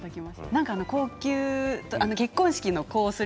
なんか高級な結婚式のコース